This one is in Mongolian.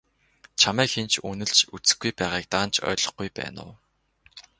Чамайг хэн ч үнэлж үзэхгүй байгааг даанч ойлгохгүй байна уу?